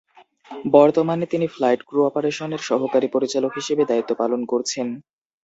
বর্তমানে তিনি flight crew অপারেশনের সহকারী পরিচালক হিসেবে দায়িত্ব পালন করছেন।